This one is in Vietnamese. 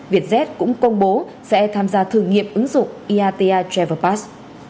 vietjet cũng công bố sẽ tham gia thử nghiệm ứng dụng iata travel past